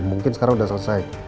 mungkin sekarang udah selesai